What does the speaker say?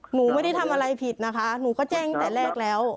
หนูไม่ได้ทำอะไรผิดนะคะหนูก็แจ้งตั้งแต่แรกแล้ว